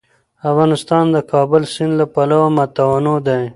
افغانستان د د کابل سیند له پلوه متنوع دی.